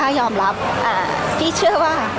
พี่ตอบได้แค่นี้จริงค่ะ